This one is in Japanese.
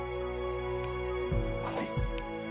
ごめん。